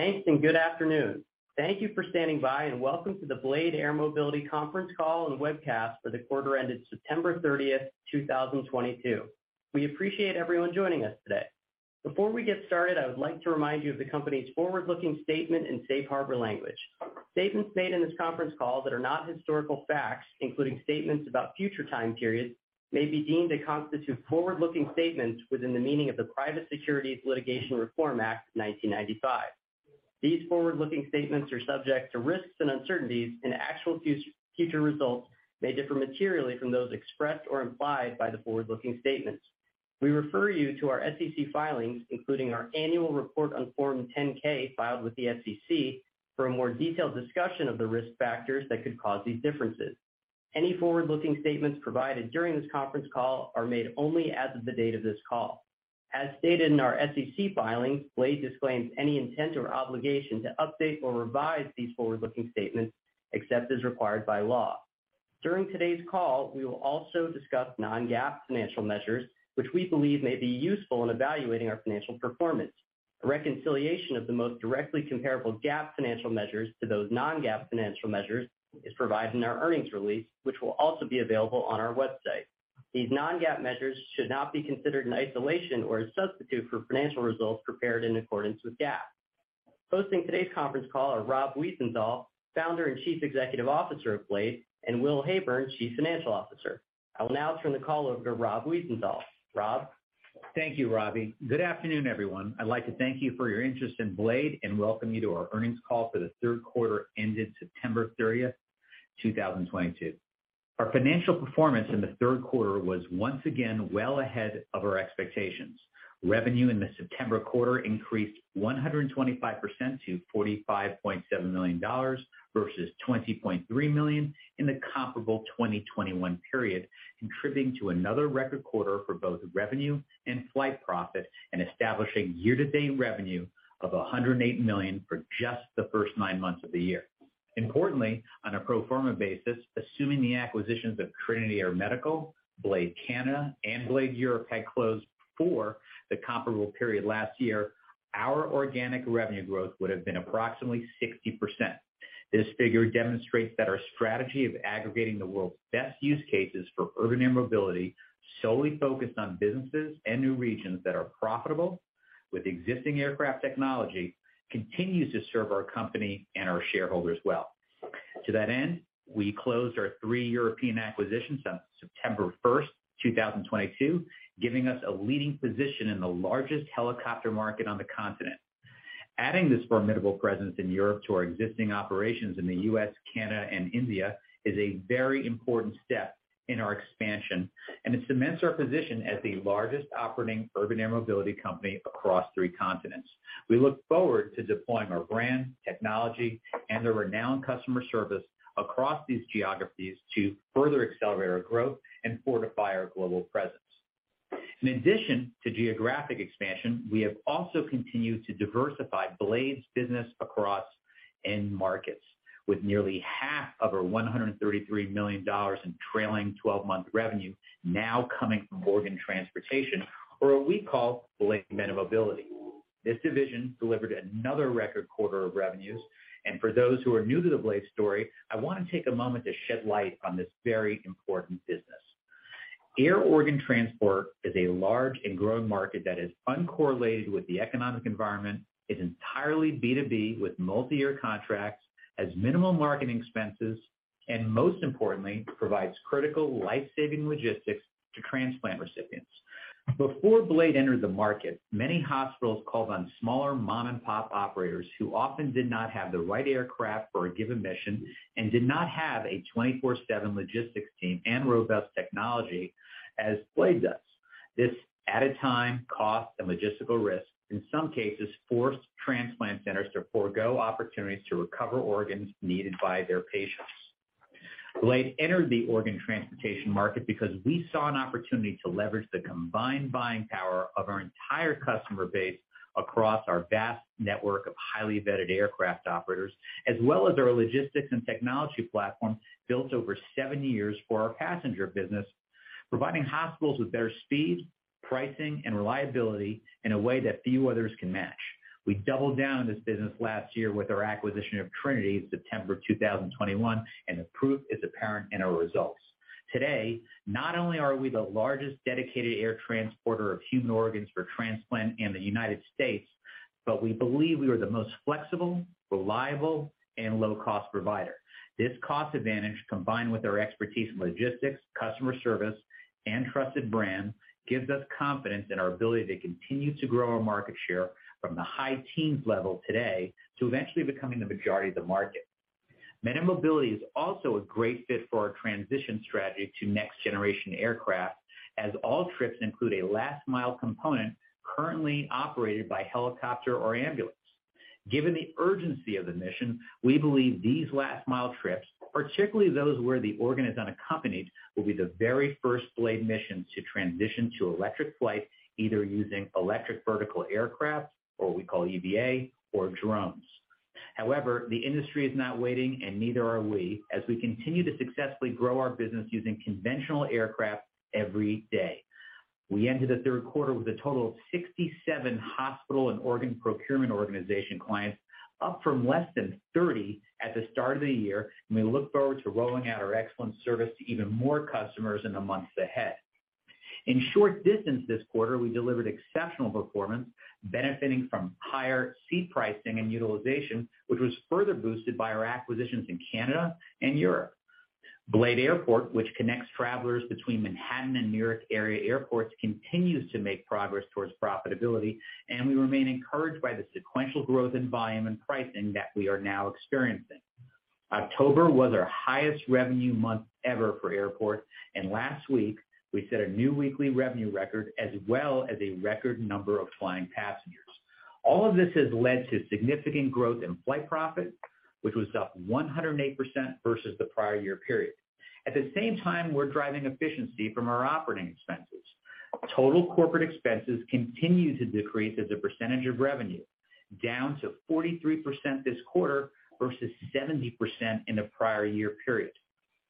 Thanks and good afternoon. Thank you for standing by and welcome to the Blade Air Mobility conference call and webcast for the quarter ended September 30, 2022. We appreciate everyone joining us today. Before we get started, I would like to remind you of the company's forward-looking statement and safe harbor language. Statements made in this conference call that are not historical facts, including statements about future time periods, may be deemed to constitute forward-looking statements within the meaning of the Private Securities Litigation Reform Act of 1995. These forward-looking statements are subject to risks and uncertainties, and actual future results may differ materially from those expressed or implied by the forward-looking statements. We refer you to our SEC filings, including our annual report on Form 10-K filed with the SEC for a more detailed discussion of the risk factors that could cause these differences. Any forward-looking statements provided during this conference call are made only as of the date of this call. As stated in our SEC filings, Blade disclaims any intent or obligation to update or revise these forward-looking statements, except as required by law. During today's call, we will also discuss non-GAAP financial measures, which we believe may be useful in evaluating our financial performance. A reconciliation of the most directly comparable GAAP financial measures to those non-GAAP financial measures is provided in our earnings release, which will also be available on our website. These non-GAAP measures should not be considered in isolation or a substitute for financial results prepared in accordance with GAAP. Hosting today's conference call are Rob Wiesenthal, Founder and Chief Executive Officer of Blade, and Will Heyburn, Chief Financial Officer. I will now turn the call over to Rob Wiesenthal. Rob? Thank you, Robbie. Good afternoon, everyone. I'd like to thank you for your interest in Blade and welcome you to our earnings call for the third quarter ended September 30, 2022. Our financial performance in the third quarter was once again well ahead of our expectations. Revenue in the September quarter increased 125% to $45.7 million, versus $20.3 million in the comparable 2021 period, contributing to another record quarter for both revenue and flight profit, and establishing year-to-date revenue of $108 million for just the first nine months of the year. Importantly, on a pro forma basis, assuming the acquisitions of Trinity Air Medical, Blade Canada, and Blade Europe had closed before the comparable period last year, our organic revenue growth would have been approximately 60%. This figure demonstrates that our strategy of aggregating the world's best use cases for urban air mobility, solely focused on businesses and new regions that are profitable with existing aircraft technology, continues to serve our company and our shareholders well. To that end, we closed our three European acquisitions on September 1, 2022, giving us a leading position in the largest helicopter market on the continent. Adding this formidable presence in Europe to our existing operations in the U.S., Canada, and India is a very important step in our expansion, and it cements our position as the largest operating urban air mobility company across three continents. We look forward to deploying our brand, technology, and our renowned customer service across these geographies to further accelerate our growth and fortify our global presence. In addition to geographic expansion, we have also continued to diversify Blade's business across end markets, with nearly half of our $133 million in trailing twelve-month revenue now coming from organ transportation, or what we call Blade MediMobility. This division delivered another record quarter of revenues, and for those who are new to the Blade story, I want to take a moment to shed light on this very important business. Air organ transport is a large and growing market that is uncorrelated with the economic environment, is entirely B2B with multiyear contracts, has minimal marketing expenses, and most importantly, provides critical life-saving logistics to transplant recipients. Before Blade entered the market, many hospitals called on smaller mom-and-pop operators who often did not have the right aircraft for a given mission and did not have a 24/7 logistics team and robust technology as Blade does. This added time, cost, and logistical risk in some cases forced transplant centers to forgo opportunities to recover organs needed by their patients. Blade entered the organ transportation market because we saw an opportunity to leverage the combined buying power of our entire customer base across our vast network of highly vetted aircraft operators, as well as our logistics and technology platform built over seven years for our passenger business, providing hospitals with better speed, pricing, and reliability in a way that few others can match. We doubled down this business last year with our acquisition of Trinity in September 2021, and the proof is apparent in our results. Today, not only are we the largest dedicated air transporter of human organs for transplant in the United States, but we believe we are the most flexible, reliable, and low-cost provider. This cost advantage, combined with our expertise in logistics, customer service, and trusted brand, gives us confidence in our ability to continue to grow our market share from the high teens level today to eventually becoming the majority of the market. MediMobility is also a great fit for our transition strategy to next generation aircraft, as all trips include a last mile component currently operated by helicopter or ambulance. Given the urgency of the mission, we believe these last mile trips, particularly those where the organ is unaccompanied, will be the very first Blade missions to transition to electric flight, either using electric vertical aircraft, or what we call EVA, or drones. However, the industry is not waiting and neither are we, as we continue to successfully grow our business using conventional aircraft every day. We ended the third quarter with a total of 67 hospital and organ procurement organization clients, up from less than 30 at the start of the year, and we look forward to rolling out our excellent service to even more customers in the months ahead. In short distance this quarter, we delivered exceptional performance benefiting from higher seat pricing and utilization, which was further boosted by our acquisitions in Canada and Europe. BLADE Airport, which connects travelers between Manhattan and New York area airports, continues to make progress towards profitability, and we remain encouraged by the sequential growth in volume and pricing that we are now experiencing. October was our highest revenue month ever for airport, and last week we set a new weekly revenue record as well as a record number of flying passengers. All of this has led to significant growth in flight profit, which was up 108% versus the prior year period. At the same time, we're driving efficiency from our operating expenses. Total corporate expenses continue to decrease as a percentage of revenue, down to 43% this quarter versus 70% in the prior year period.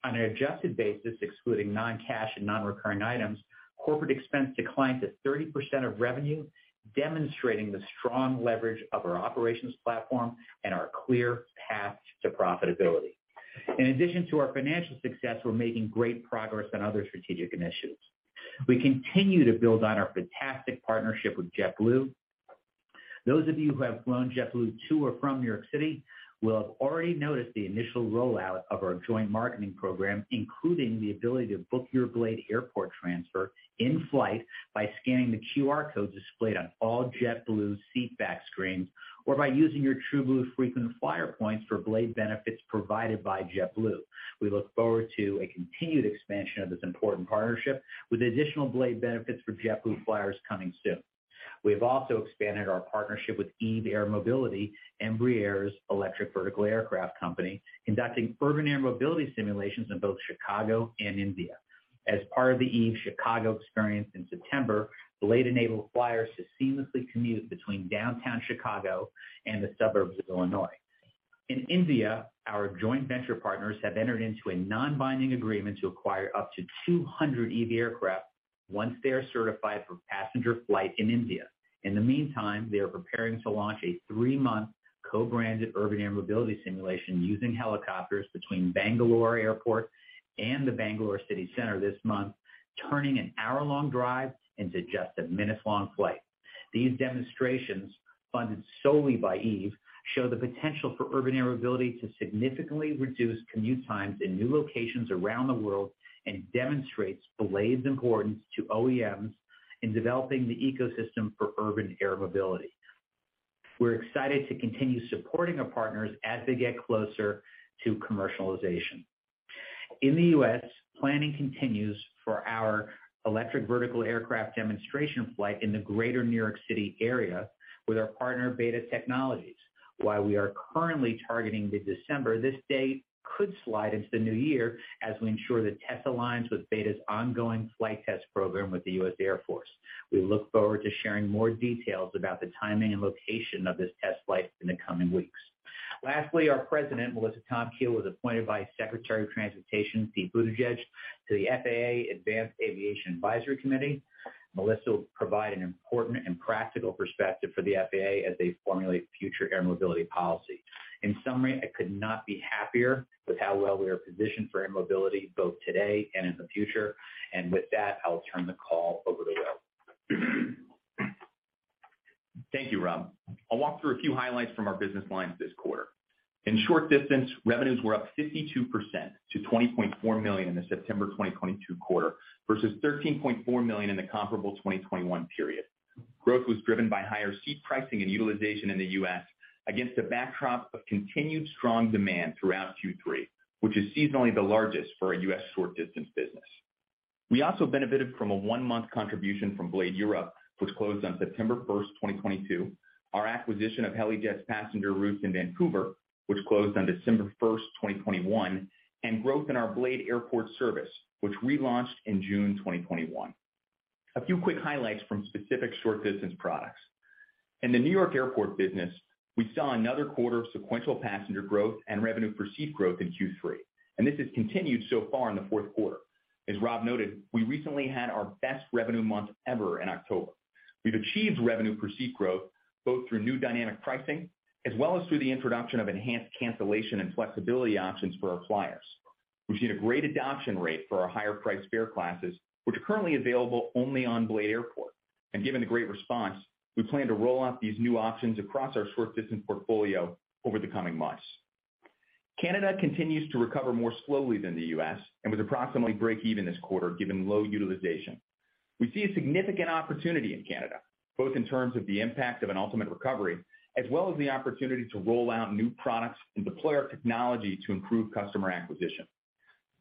On an adjusted basis, excluding non-cash and non-recurring items, corporate expense declined to 30% of revenue, demonstrating the strong leverage of our operations platform and our clear path to profitability. In addition to our financial success, we're making great progress on other strategic initiatives. We continue to build on our fantastic partnership with JetBlue. Those of you who have flown JetBlue to or from New York City will have already noticed the initial rollout of our joint marketing program, including the ability to book your BLADE Airport transfer in-flight by scanning the QR code displayed on all JetBlue's seat back screens, or by using your TrueBlue frequent flyer points for Blade benefits provided by JetBlue. We look forward to a continued expansion of this important partnership with additional Blade benefits for JetBlue flyers coming soon. We have also expanded our partnership with Eve Air Mobility, Embraer's electric vertical aircraft company, conducting urban air mobility simulations in both Chicago and India. As part of the Eve Chicago experience in September, Blade enabled flyers to seamlessly commute between downtown Chicago and the suburbs of Illinois. In India, our joint venture partners have entered into a non-binding agreement to acquire up to 200 Eve aircraft once they are certified for passenger flight in India. In the meantime, they are preparing to launch a three-month co-branded urban air mobility simulation using helicopters between Bangalore Airport and the Bangalore city center this month, turning an hour-long drive into just a minute long flight. These demonstrations, funded solely by Eve, show the potential for urban air mobility to significantly reduce commute times in new locations around the world and demonstrates Blade's importance to OEMs in developing the ecosystem for urban air mobility. We're excited to continue supporting our partners as they get closer to commercialization. In the US, planning continues for our electric vertical aircraft demonstration flight in the Greater New York City area with our partner BETA Technologies. While we are currently targeting the December, this date could slide into the new year as we ensure the test aligns with BETA's ongoing flight test program with the U.S. Air Force. We look forward to sharing more details about the timing and location of this test flight in the coming weeks. Lastly, our President, Melissa Tomkiel, was appointed by Secretary of Transportation Pete Buttigieg to the FAA Advanced Aviation Advisory Committee. Melissa will provide an important and practical perspective for the FAA as they formulate future air mobility policy. In summary, I could not be happier with how well we are positioned for air mobility both today and in the future. With that, I'll turn the call over to Will. Thank you, Rob. I'll walk through a few highlights from our business lines this quarter. In short distance, revenues were up 52% to $20.4 million in the September 2022 quarter versus $13.4 million in the comparable 2021 period. Growth was driven by higher seat pricing and utilization in the U.S. against a backdrop of continued strong demand throughout Q3, which is seasonally the largest for a U.S. short distance business. We also benefited from a one-month contribution from Blade Europe, which closed on September 1, 2022, our acquisition of Helijet's passenger routes in Vancouver, which closed on December 1, 2021, and growth in our BLADE Airport service, which relaunched in June 2021. A few quick highlights from specific short distance products. In the New York Airport business, we saw another quarter of sequential passenger growth and revenue per seat growth in Q3, and this has continued so far in the fourth quarter. As Rob noted, we recently had our best revenue month ever in October. We've achieved revenue per seat growth both through new dynamic pricing as well as through the introduction of enhanced cancellation and flexibility options for our flyers. We've seen a great adoption rate for our higher priced fare classes, which are currently available only on Blade Airport. Given the great response, we plan to roll out these new options across our short distance portfolio over the coming months. Canada continues to recover more slowly than the U.S., and was approximately break even this quarter given low utilization. We see a significant opportunity in Canada, both in terms of the impact of an ultimate recovery, as well as the opportunity to roll out new products and deploy our technology to improve customer acquisition.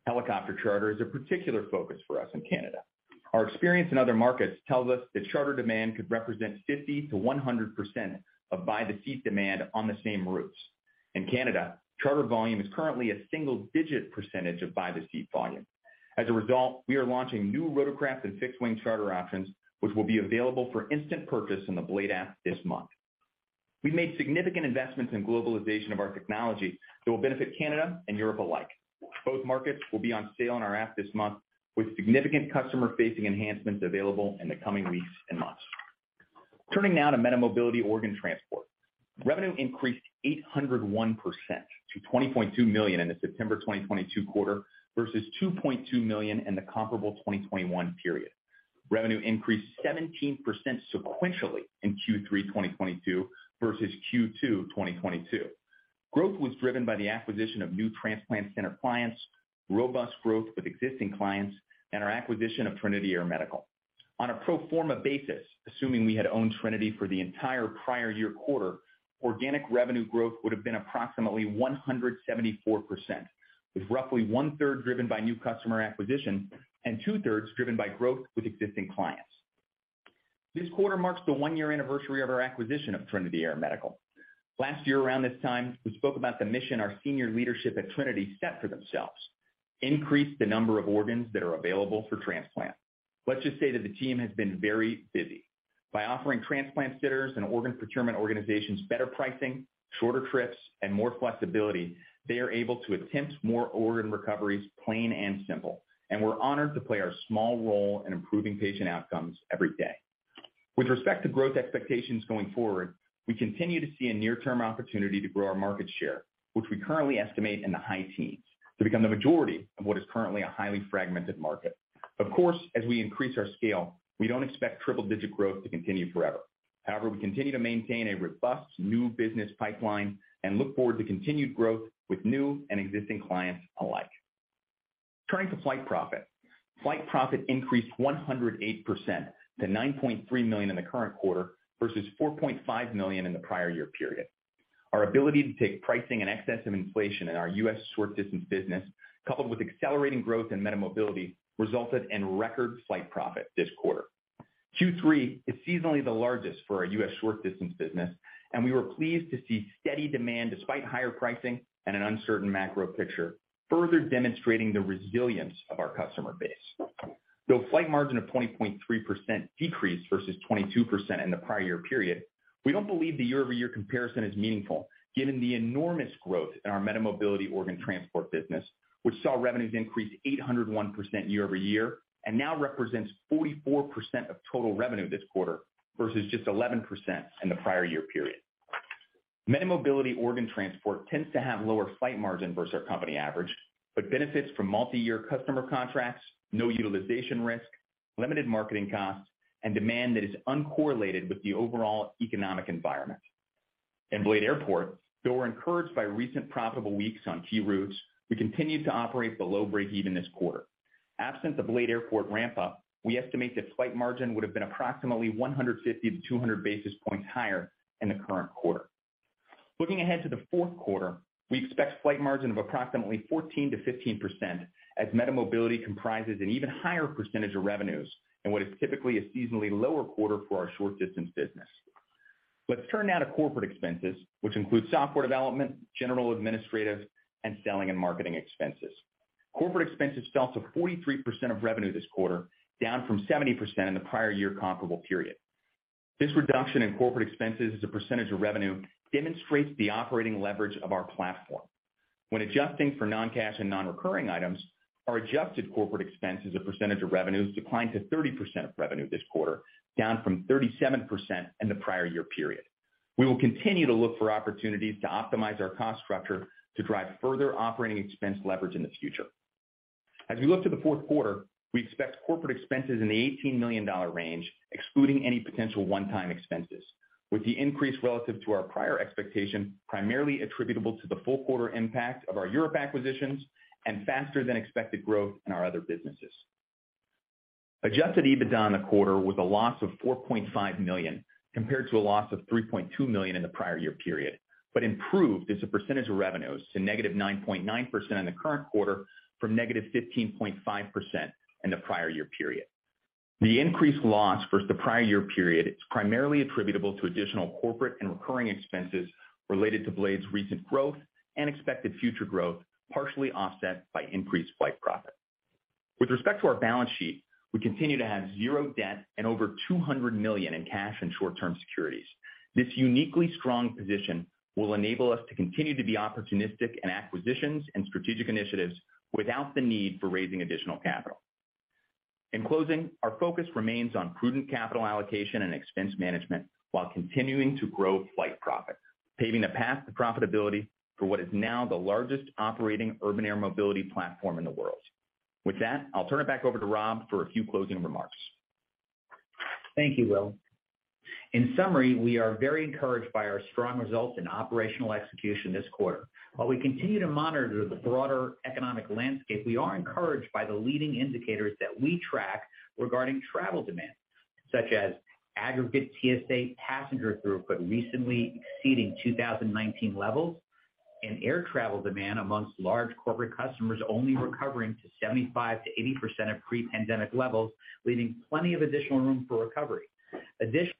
Helicopter charter is a particular focus for us in Canada. Our experience in other markets tells us that charter demand could represent 50%-100% of by-the-seat demand on the same routes. In Canada, charter volume is currently a single-digit percengtage of by-the-seat volume. As a result, we are launching new rotorcraft and fixed wing charter options, which will be available for instant purchase in the Blade app this month. We've made significant investments in globalization of our technology that will benefit Canada and Europe alike. Both markets will be on sale on our app this month, with significant customer-facing enhancements available in the coming weeks and months. Turning now to MediMobility. Revenue increased 801% to $20.2 million in the September 2022 quarter versus $2.2 million in the comparable 2021 period. Revenue increased 17% sequentially in Q3 2022 versus Q2 2022. Growth was driven by the acquisition of new transplant center clients, robust growth with existing clients, and our acquisition of Trinity Air Medical. On a pro forma basis, assuming we had owned Trinity for the entire prior year quarter, organic revenue growth would have been approximately 174%, with roughly 1/3 driven by new customer acquisition and 2/3 driven by growth with existing clients. This quarter marks the one-year anniversary of our acquisition of Trinity Air Medical. Last year around this time, we spoke about the mission our senior leadership at Trinity set for themselves: increase the number of organs that are available for transplant. Let's just say that the team has been very busy. By offering transplant sitters and organ procurement organizations better pricing, shorter trips, and more flexibility, they are able to attempt more organ recoveries, plain and simple. We're honored to play our small role in improving patient outcomes every day. With respect to growth expectations going forward, we continue to see a near-term opportunity to grow our market share, which we currently estimate in the high teens, to become the majority of what is currently a highly fragmented market. Of course, as we increase our scale, we don't expect triple-digit growth to continue forever. However, we continue to maintain a robust new business pipeline and look forward to continued growth with new and existing clients alike. Turning to flight profit. Flight profit increased 108% to $9.3 million in the current quarter versus $4.5 million in the prior year period. Our ability to take pricing in excess of inflation in our U.S. short distance business, coupled with accelerating growth in MediMobility, resulted in record flight profit this quarter. Q3 is seasonally the largest for our U.S. short distance business, and we were pleased to see steady demand despite higher pricing and an uncertain macro picture, further demonstrating the resilience of our customer base. Though flight margin of 20.3% decreased versus 22% in the prior year period, we don't believe the year-over-year comparison is meaningful given the enormous growth in our MediMobility organ transport business, which saw revenues increase 801% year-over-year and now represents 44% of total revenue this quarter versus just 11% in the prior year period. MediMobility organ transport tends to have lower flight margin versus our company average, but benefits from multi-year customer contracts, no utilization risk, limited marketing costs, and demand that is uncorrelated with the overall economic environment. In BLADE Airport, though we're encouraged by recent profitable weeks on key routes, we continued to operate below breakeven this quarter. Absent the Blade Airport ramp up, we estimate that flight margin would have been approximately 150-200 basis points higher in the current quarter. Looking ahead to the fourth quarter, we expect flight margin of approximately 14%-15% as MediMobility comprises an even higher percentage of revenues in what is typically a seasonally lower quarter for our short distance business. Let's turn now to corporate expenses, which include software development, general administrative, and selling and marketing expenses. Corporate expenses fell to 43% of revenue this quarter, down from 70% in the prior year comparable period. This reduction in corporate expenses as a percentage of revenue demonstrates the operating leverage of our platform. When adjusting for non-cash and non-recurring items, our adjusted corporate expense as a percentage of revenues declined to 30% of revenue this quarter, down from 37% in the prior year period. We will continue to look for opportunities to optimize our cost structure to drive further operating expense leverage in the future. As we look to the fourth quarter, we expect corporate expenses in the $18 million range, excluding any potential one-time expenses, with the increase relative to our prior expectation primarily attributable to the full quarter impact of our Europe acquisitions and faster than expected growth in our other businesses. Adjusted EBITDA in the quarter was a loss of $4.5 million, compared to a loss of $3.2 million in the prior year period, but improved as a percentage of revenues to -9.9% in the current quarter from -15.5% in the prior year period. The increased loss versus the prior year period is primarily attributable to additional corporate and recurring expenses related to Blade's recent growth and expected future growth, partially offset by increased flight profit. With respect to our balance sheet, we continue to have zero debt and over $200 million in cash and short-term securities. This uniquely strong position will enable us to continue to be opportunistic in acquisitions and strategic initiatives without the need for raising additional capital. In closing, our focus remains on prudent capital allocation and expense management while continuing to grow flight profit, paving a path to profitability for what is now the largest operating urban air mobility platform in the world. With that, I'll turn it back over to Rob for a few closing remarks. Thank you, Will. In summary, we are very encouraged by our strong results and operational execution this quarter. While we continue to monitor the broader economic landscape, we are encouraged by the leading indicators that we track regarding travel demand, such as aggregate TSA passenger throughput recently exceeding 2019 levels and air travel demand among large corporate customers only recovering to 75%-80% of pre-pandemic levels, leaving plenty of additional room for recovery. Additionally,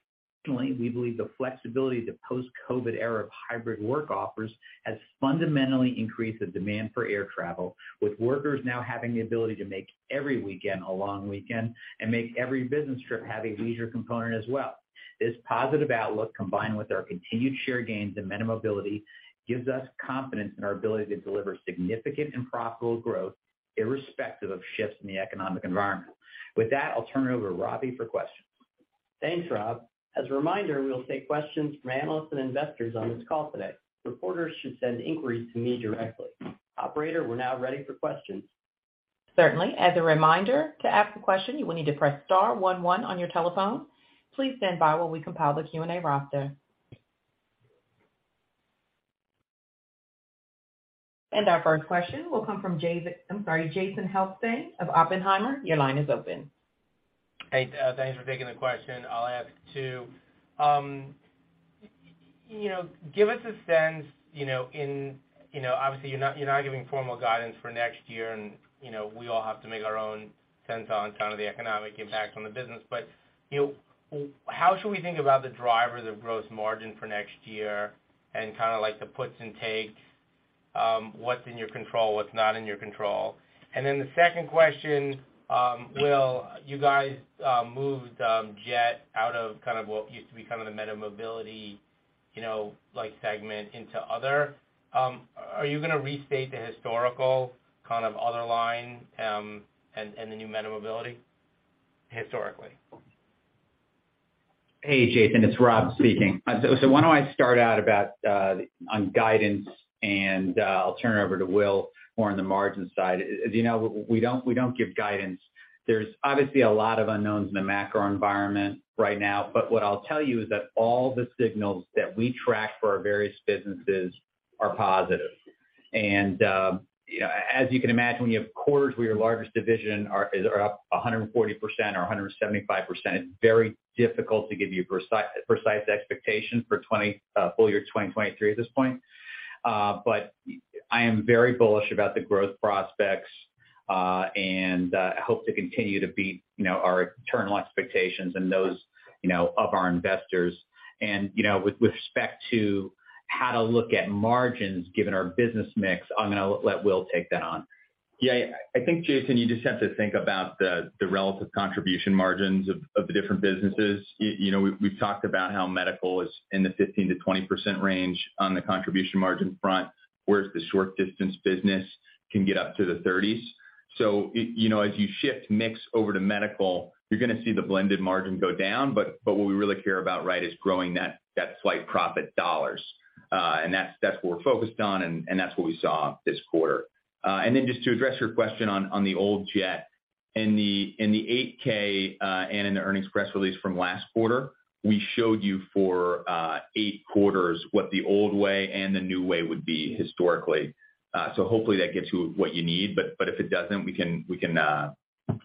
we believe the flexibility the post-COVID era of hybrid work offers has fundamentally increased the demand for air travel, with workers now having the ability to make every weekend a long weekend and make every business trip have a leisure component as well. This positive outlook, combined with our continued share gains in air mobility, gives us confidence in our ability to deliver significant and profitable growth irrespective of shifts in the economic environment. With that, I'll turn it over to Robbie for questions. Thanks, Rob. As a reminder, we will take questions from analysts and investors on this call today. Reporters should send inquiries to me directly. Operator, we're now ready for questions. Certainly. As a reminder, to ask a question, you will need to press star one one on your telephone. Please stand by while we compile the Q&A roster. Our first question will come from Jason Helfstein of Oppenheimer. Your line is open. Hey, thanks for taking the question. I'll ask too. You know, give us a sense. You know, obviously, you're not giving formal guidance for next year, and you know, we all have to make our own sense on, kind of, the economic impact on the business. But you know, how should we think about the drivers of gross margin for next year and kind of like the puts and takes, what's in your control, what's not in your control? And then the second question, Will, you guys moved Jet out of kind of what used to be kind of the MediMobility, you know, like, segment into other. Are you gonna restate the historical kind of other line, and the new MediMobility historically? Hey, Jason, it's Rob speaking. Why don't I start out about on guidance, and I'll turn it over to Will more on the margin side. As you know, we don't give guidance. There's obviously a lot of unknowns in the macro environment right now. What I'll tell you is that all the signals that we track for our various businesses are positive. As you can imagine, when you have quarters where your largest division is up 140% or 175%, it's very difficult to give you precise expectations for full year 2023 at this point. I am very bullish about the growth prospects and hope to continue to beat, you know, our internal expectations and those, you know, of our investors. You know, with respect to how to look at margins given our business mix, I'm gonna let Will take that on. Yeah. I think, Jason, you just have to think about the relative contribution margins of the different businesses. You know, we've talked about how medical is in the 15%-20% range on the contribution margin front, whereas the short-distance business can get up to the 30s. You know, as you shift mix over to medical, you're gonna see the blended margin go down, but what we really care about, right, is growing that flight profit dollars. And that's what we're focused on, and that's what we saw this quarter. And then just to address your question on the old Jet. In the 8-K, and in the earnings press release from last quarter, we showed you for eight quarters what the old way and the new way would be historically. Hopefully that gets you what you need. If it doesn't, we can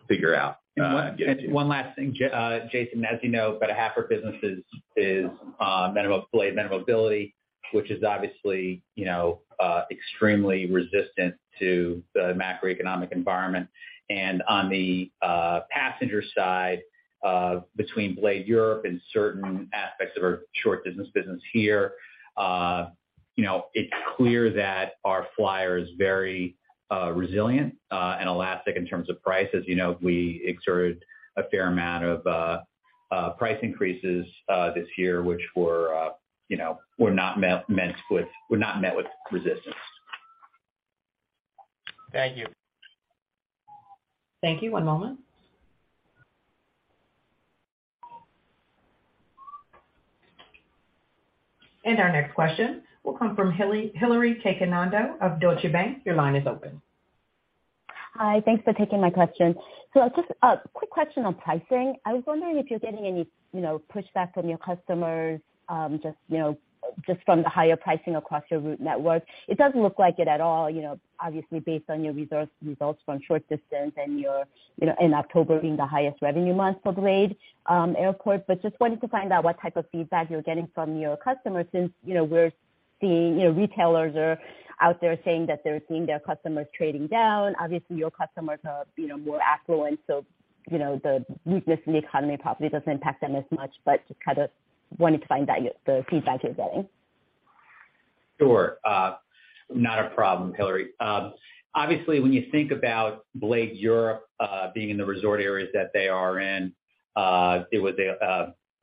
figure out and get it to you. One last thing, Jason. As you know, about half our business is MediMobility—Blade MediMobility, which is obviously, you know, extremely resistant to the macroeconomic environment. On the passenger side, between Blade Europe and certain aspects of our short-haul business here, you know, it's clear that our flyer is very resilient and elastic in terms of price. As you know, we exerted a fair amount of price increases this year, which were, you know, not met with resistance. Thank you. Thank you. One moment. Our next question will come from Hillary Cacanando of Deutsche Bank. Your line is open. Hi. Thanks for taking my question. Just a quick question on pricing. I was wondering if you're getting any, you know, pushback from your customers, just, you know, just from the higher pricing across your route network. It doesn't look like it at all, you know, obviously based on your results from short distance and your, you know, in October being the highest revenue month for Blade Airport. Just wanted to find out what type of feedback you're getting from your customers since, you know, we're seeing, you know, retailers are out there saying that they're seeing their customers trading down. Obviously, your customers are, you know, more affluent, so, you know, the weakness in the economy probably doesn't impact them as much, but just kind of wanted to find out the feedback you're getting. Sure. Not a problem, Hillary. Obviously, when you think about Blade Europe, being in the resort areas that they are in, it was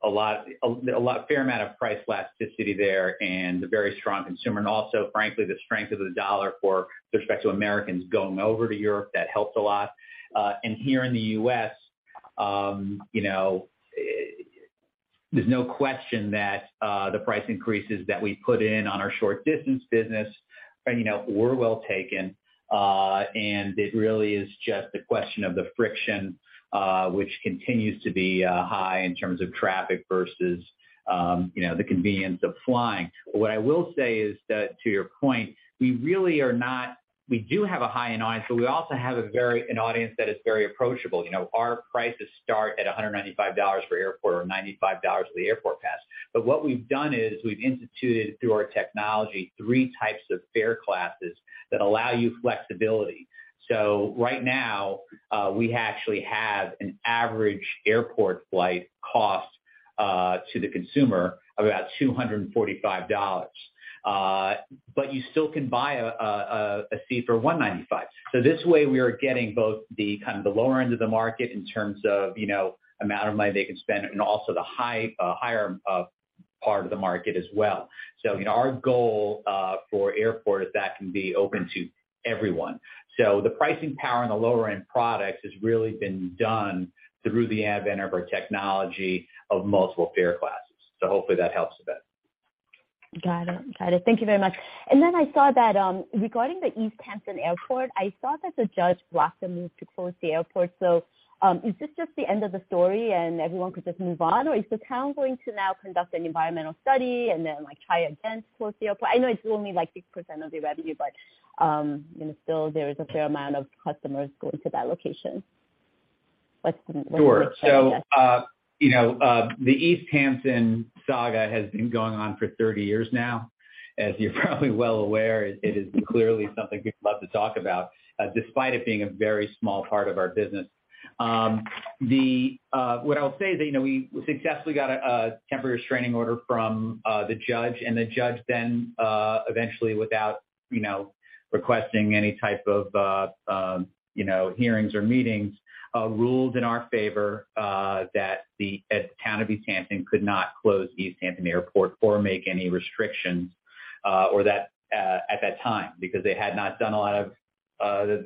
a fair amount of price elasticity there and a very strong consumer. Also, frankly, the strength of the dollar with respect to Americans going over to Europe, that helps a lot. Here in the U.S., you know, there's no question that the price increases that we put in on our short-distance business, you know, were well taken. It really is just the question of the friction, which continues to be high in terms of traffic versus, you know, the convenience of flying. What I will say is that, to your point, we do have a high audience, but we also have an audience that is very approachable. You know, our prices start at $195 per airport or $95 for the airport pass. What we've done is we've instituted through our technology three types of fare classes that allow you flexibility. Right now, we actually have an average airport flight cost to the consumer of about $245. You still can buy a seat for $195. This way we are getting both the kind of the lower end of the market in terms of, you know, amount of money they can spend and also the higher part of the market as well. You know, our goal for airport is that can be open to everyone. The pricing power on the lower-end products has really been done through the advent of our technology of multiple fare classes. Hopefully that helps a bit. Got it. Thank you very much. I saw that, regarding the East Hampton Airport, I saw that the judge blocked the move to close the airport. Is this just the end of the story and everyone could just move on? Is the town going to now conduct an environmental study and then, like, try again to close the airport? I know it's only like 6% of the revenue, but, you know, still there is a fair amount of customers going to that location. What's the- Sure. Next steps? You know, the East Hampton saga has been going on for 30 years now. As you're probably well aware, it is clearly something people love to talk about, despite it being a very small part of our business. What I'll say is that, you know, we successfully got a temporary restraining order from the judge, and the judge then eventually without you know requesting any type of you know hearings or meetings ruled in our favor, that the town of East Hampton could not close East Hampton Airport or make any restrictions at that time because they had not done a lot of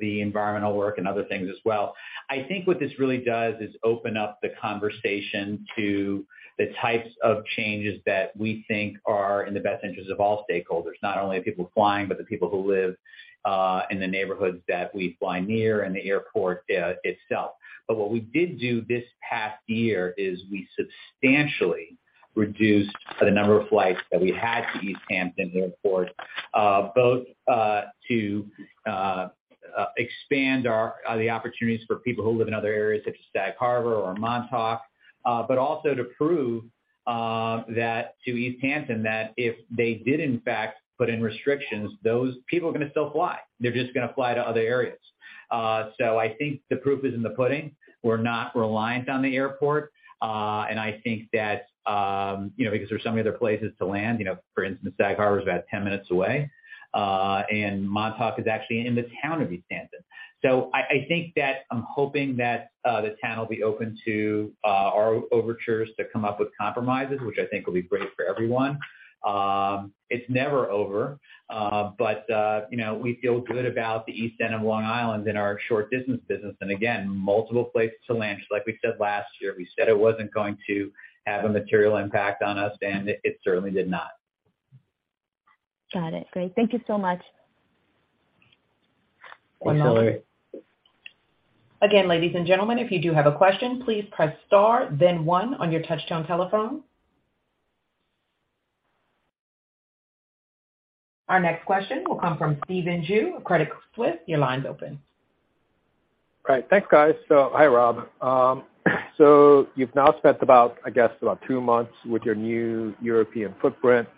the environmental work and other things as well. I think what this really does is open up the conversation to the types of changes that we think are in the best interest of all stakeholders, not only the people flying, but the people who live in the neighborhoods that we fly near and the airport itself. What we did do this past year is we substantially reduced the number of flights that we had to East Hampton Airport, both to expand the opportunities for people who live in other areas such as Sag Harbor or Montauk, but also to prove that to East Hampton that if they did in fact put in restrictions, those people are gonna still fly. They're just gonna fly to other areas. I think the proof is in the pudding. We're not reliant on the airport. I think that, you know, because there's so many other places to land, you know, for instance, Sag Harbor is about 10 minutes away, and Montauk is actually in the town of East Hampton. I'm hoping that the town will be open to our overtures to come up with compromises, which I think will be great for everyone. It's never over, you know, we feel good about the East End of Long Island and our short distance business. Again, multiple places to land. Just like we said last year, we said it wasn't going to have a material impact on us, and it certainly did not. Got it. Great. Thank you so much. Thanks, Hillary. One moment. Again, ladies and gentlemen, if you do have a question, please press star then one on your touch-tone telephone. Our next question will come from Stephen Ju, Credit Suisse. Your line's open. All right. Thanks, guys. Hi, Rob. You've now spent about, I guess, about two months with your new European footprint.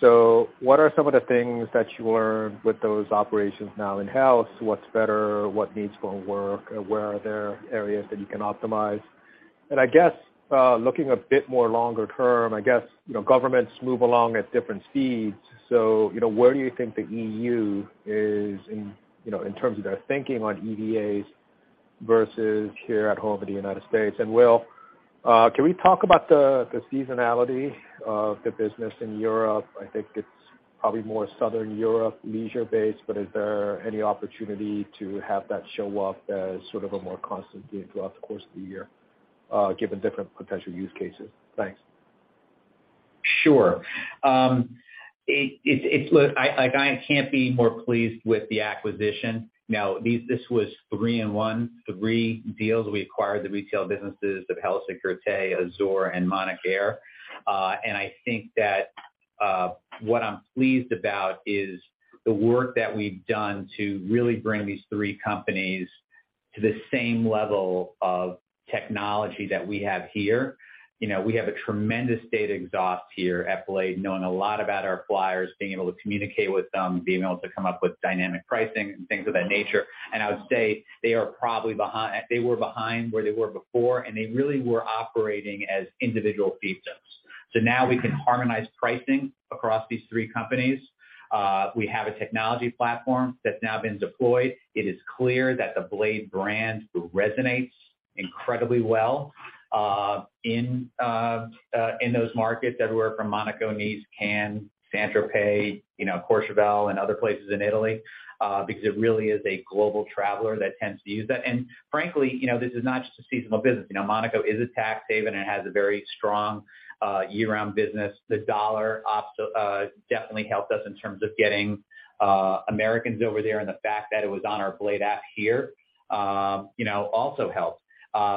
What are some of the things that you learned with those operations now in-house? What's better? What needs more work? Where are there areas that you can optimize? I guess, looking a bit more longer term, I guess, you know, governments move along at different speeds. You know, where do you think the E.U. is in, you know, in terms of their thinking on EVAs versus here at home in the United States? Will, can we talk about the seasonality of the business in Europe? I think it's probably more Southern Europe leisure-based, but is there any opportunity to have that show up as sort of a more constant thing throughout the course of the year, given different potential use cases? Thanks. Sure. Look, like, I can't be more pleased with the acquisition. Now, this was three in one, three deals. We acquired the retail businesses of Héli Sécurité, Azur Hélicoptère, and Monacair. I think that what I'm pleased about is the work that we've done to really bring these three companies to the same level of technology that we have here. You know, we have a tremendous data exhaust here at Blade, knowing a lot about our flyers, being able to communicate with them, being able to come up with dynamic pricing and things of that nature. I would say they are probably behind. They were behind where they were before, and they really were operating as individual fiefdoms. Now we can harmonize pricing across these three companies. We have a technology platform that's now been deployed. It is clear that the Blade brand resonates incredibly well in those markets everywhere from Monaco, Nice, Cannes, Saint-Tropez, you know, Courchevel, and other places in Italy because it really is a global traveler that tends to use that. Frankly, you know, this is not just a seasonal business. You know, Monaco is a tax haven, and it has a very strong year-round business. The dollar also definitely helped us in terms of getting Americans over there, and the fact that it was on our Blade app here, you know, also helped.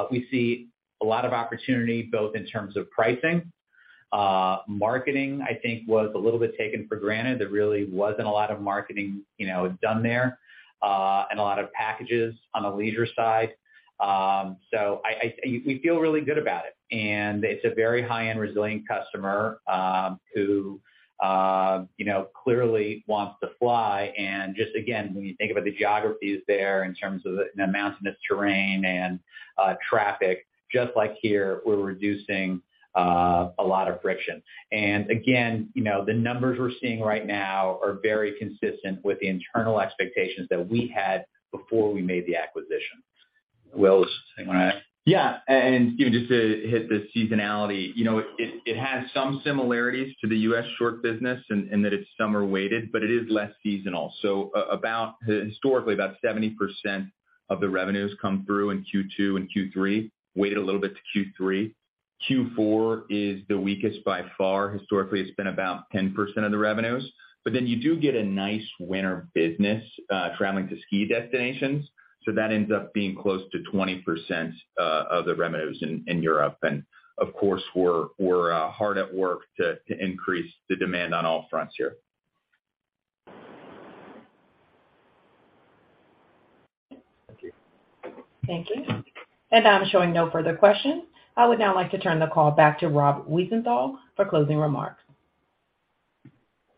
We see a lot of opportunity, both in terms of pricing, marketing. I think was a little bit taken for granted. There really wasn't a lot of marketing, you know, done there, and a lot of packages on the leisure side. We feel really good about it. It's a very high-end resilient customer, who you know, clearly wants to fly, and just again, when you think about the geographies there in terms of the mountainous terrain and traffic, just like here, we're reducing a lot of friction. Again, you know, the numbers we're seeing right now are very consistent with the internal expectations that we had before we made the acquisition. Will, is there something you wanna add? Yeah. You know, just to hit the seasonality, you know, it has some similarities to the U.S. short business in that it's summer-weighted, but it is less seasonal. About historically, about 70% of the revenues come through in Q2 and Q3, weighted a little bit to Q3. Q4 is the weakest by far. Historically, it's been about 10% of the revenues. You do get a nice winter business traveling to ski destinations, so that ends up being close to 20% of the revenues in Europe. Of course, we're hard at work to increase the demand on all fronts here. Thank you. Thank you. I'm showing no further questions. I would now like to turn the call back to Rob Wiesenthal for closing remarks.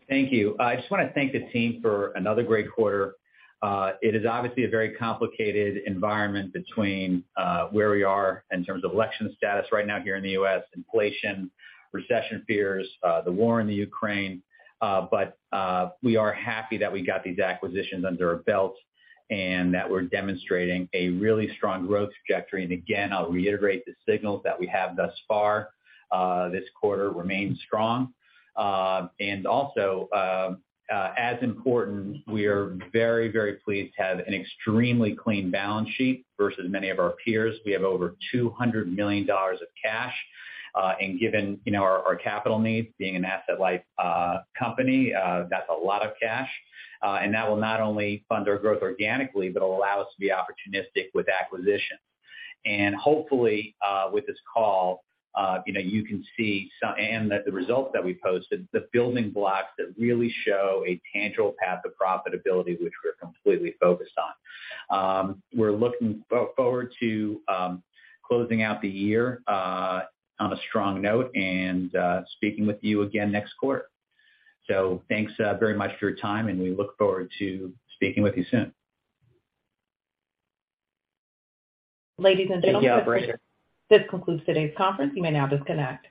Thank you. I just wanna thank the team for another great quarter. It is obviously a very complicated environment between where we are in terms of election status right now here in the U.S., inflation, recession fears, the war in the Ukraine. We are happy that we got these acquisitions under our belt and that we're demonstrating a really strong growth trajectory. Again, I'll reiterate the signals that we have thus far. This quarter remains strong. Also, as important, we are very, very pleased to have an extremely clean balance sheet versus many of our peers. We have over $200 million of cash. Given you know our capital needs being an asset-light company, that's a lot of cash. That will not only fund our growth organically, but it'll allow us to be opportunistic with acquisitions. Hopefully, with this call, you know, you can see the results that we posted, the building blocks that really show a tangible path of profitability, which we're completely focused on. We're looking forward to closing out the year on a strong note and speaking with you again next quarter. Thanks very much for your time, and we look forward to speaking with you soon. Ladies and gentlemen. Thank you, operator. This concludes today's conference. You may now disconnect.